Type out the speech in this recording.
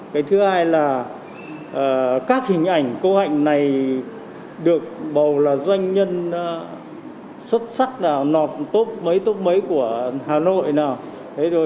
cái thứ hai là các hình ảnh cô hạnh này được bầu là doanh nhân xuất sắc nào nọp tốt mấy tốp mấy của hà nội nào